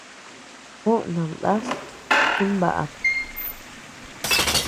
Juó nandaʼas chimbaʼam.